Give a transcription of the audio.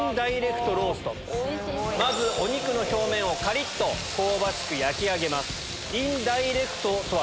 まずお肉の表面をカリっと香ばしく焼き上げます。